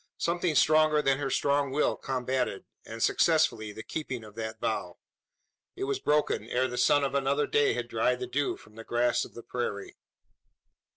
Something stronger than her strong will combatted and successfully the keeping of that vow. It was broken ere the sun of another day had dried the dew from the grass of the prairie.